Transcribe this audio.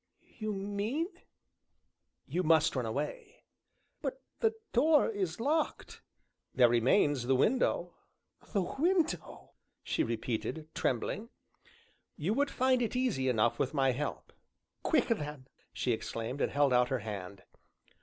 "You mean?" "You must run away." "But the door is locked." "There remains the window." "The window!" she repeated, trembling. "You would find it easy enough with my help." "Quick, then!" she exclaimed, and held out her hand.